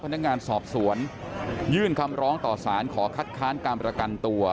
พนักงานสอบสวนยื่นคำร้องต่อสารขอคัดค้านการประกันตัว